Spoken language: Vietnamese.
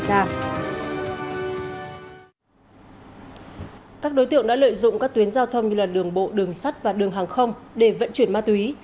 các đối tượng đã lợi dụng các tuyến giao thông như đường bộ đường sắt và đường hàng không để vận chuyển ma túy